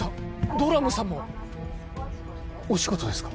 ドラムさんもお仕事ですか？